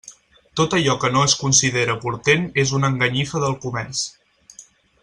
Tot allò que no es considere portent és una enganyifa del comerç.